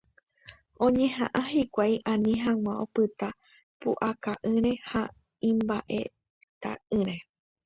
Oñeha'ã hikuái ani hag̃ua opyta pu'aka'ỹre ha imba'eta'ỹre.